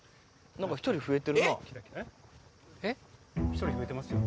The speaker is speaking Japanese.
１人増えてますよ。